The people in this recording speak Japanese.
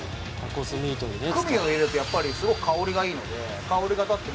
クミンを入れるとやっぱりすごく香りがいいので香りが立って